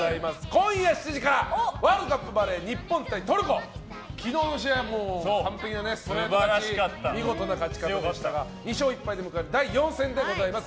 今夜７時からワールドカップバレー日本対トルコ昨日の試合完璧なストレート勝ち見事な勝ち方でしたが２勝１敗で迎える第４戦でございます。